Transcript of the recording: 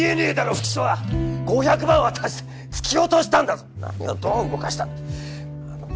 不起訴は５００万渡して突き落としたんだぞ何をどう動かしたんだ